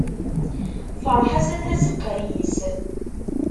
Ferḥ-as a tazeqqa yes-s.